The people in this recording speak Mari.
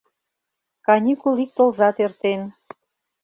Каникул ик тылзат эртен.